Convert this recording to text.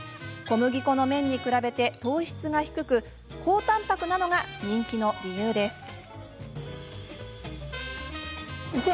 小麦粉の麺に比べて糖質が低く高たんぱくなのが人気の理由です。